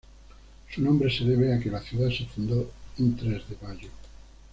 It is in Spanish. Su nombre se debe a que la ciudad se fundó un tres de mayo.